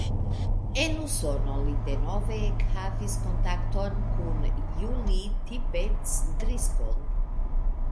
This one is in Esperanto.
En Usono li denove ekhavis kontakton kun Julie Tippetts-Driscoll.